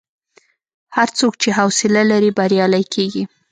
هر څوک چې حوصله لري، بریالی کېږي.